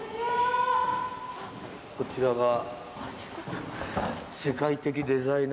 こちらが。